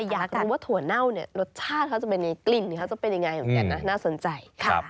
แต่อยากรู้ว่าถั่วเน่ารสชาติ